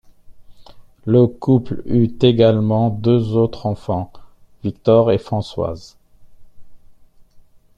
Le couple eut également deux autres enfants, Victor et Françoise.